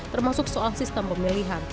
termasuk soal sistem pemilihan